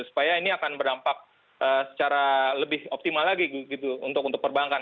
supaya ini akan berdampak secara lebih optimal lagi gitu untuk perbankan